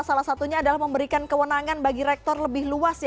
salah satunya adalah memberikan kewenangan bagi rektor lebih luas